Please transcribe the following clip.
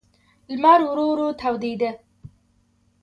لمر ورو ورو تودېده.